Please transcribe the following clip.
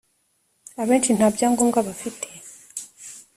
abenshi ntabyangombwa bafite.